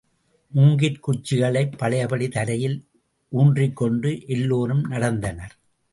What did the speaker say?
மூங்கிற் குச்சிகளைப் பழையபடி தரையில் ஊன்றிக்கொண்டு எல்லோரும் நடந்தனர்.